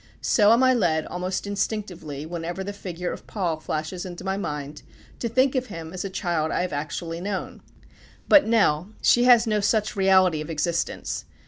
So am I led, almost instinctively, whenever the figure of Paul flashes into my mind, to think of him as a child I have actually known. But Nell she has no such reality of existence.